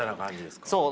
そう。